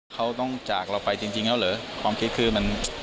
เขาต้องจากเราไปจริงแล้วเหรอความคิดคือมัน